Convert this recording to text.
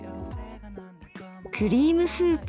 クリームスープ